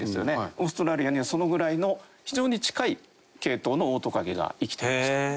オーストラリアにはそのぐらいの非常に近い系統のオオトカゲが生きていました。